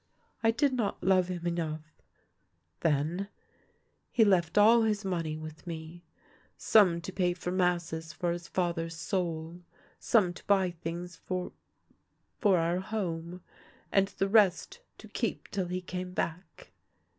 I did not love him enough — then. He left all his money with me : some to pay for Masses for his father's 122 THE LANE THAT HAD NO TURNING soul, some to buy things for — for our home, and the rest to keep till he came back."